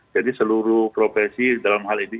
jadi seluruh profesi dalam hal ini